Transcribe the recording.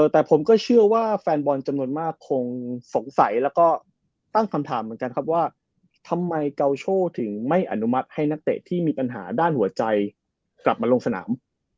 แต่ผมก็เชื่อว่าแฟนบอลจำนวนมากคงสงสัยแล้วก็ตั้งคำถามเหมือนกันครับว่าทำไมเกาโชถึงไม่อนุมัติให้นักเตะที่มีปัญหาด้านหัวใจกลับมาลงสนาม